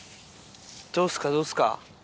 どうっすかどうっすか。